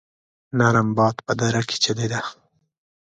نرم باد په دره کې چلېده.